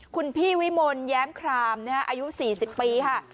คุณพี่วิมลแย้มครามอายุ๔๐ปีค่ะ